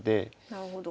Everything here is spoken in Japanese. なるほど。